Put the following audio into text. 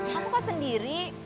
kamu pas sendiri